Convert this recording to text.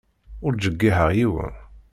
Ur ttjeyyiḥeɣ yiwen.